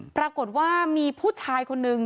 ปรากฏว่ามีผู้ชายคนนึง